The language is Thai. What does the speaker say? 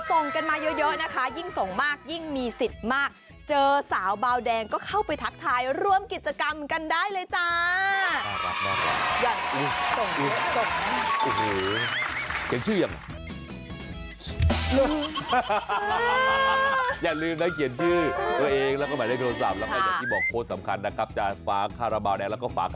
ส่งกันมาเยอะนะคะยิ่งส่งมากยิ่งมีสิทธิ์มากเจอสาวบาวแดงก็เข้าไปทักทายร่วมกิจกรรมกันได้เลยจ้า